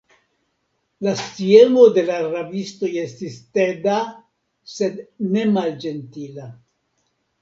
La sciemo de la rabistoj estis teda, sed ne malĝentila.